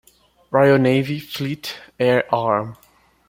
Royal Navy, Fleet Air Arm.